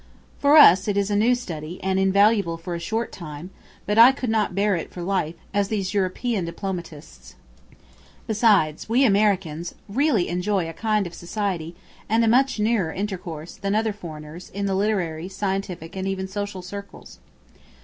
For us, it is a new study, and invaluable for a short time; but I could not bear it for life, as these European diplomatists. Besides, we Americans really enjoy a kind of society, and a much nearer intercourse than other foreigners, in the literary, scientific, and even social circles.